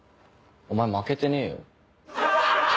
お前負けてねえよ。